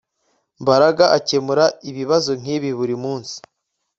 Mbaraga akemura ibibazo nkibi buri munsi